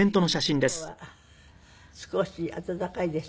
「今日はすこし暖かいですね」